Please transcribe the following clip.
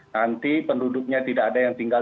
nanti penduduknya tidak ada yang tinggal